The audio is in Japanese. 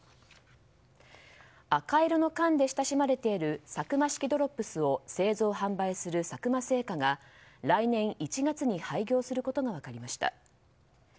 赤色の缶で親しまれているサクマ式ドロップスを製造・販売する佐久間製菓が来年１月に廃業することが分かりました。